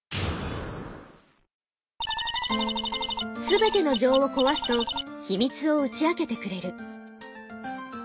全ての錠を壊すと秘密を打ち明けてくれる。